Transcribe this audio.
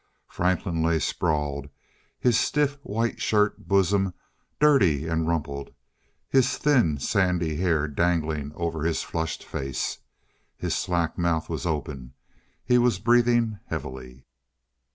Franklin lay sprawled, his stiff white shirt bosom dirty and rumpled, his thin sandy hair dangling over his flushed face. His slack mouth was open. He was breathing heavily.